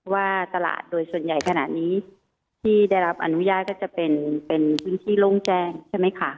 ว่าตลาดโดยส่วนใหญ่ขณะนี้ที่ได้รับอนุญาตก็จะเป็นพื้นที่โล่งแจ้งใช่ไหมคะ